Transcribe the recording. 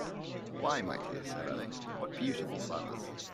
"Why, my dear," said I, "what beautiful flowers!"